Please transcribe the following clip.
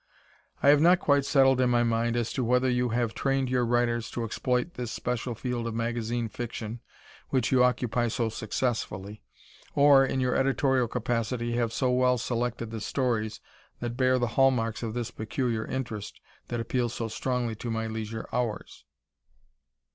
I have not quite settled in my mind as to whether you have trained your writers to exploit this special field of magazine fiction, which you occupy so successfully, or, in your editorial capacity, have so well selected the stories that bear the hallmarks of this peculiar interest that appeals so strongly to my leisure hours.